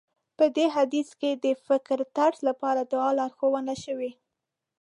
په دې حديث کې د فکرطرز لپاره دعا لارښوونه شوې.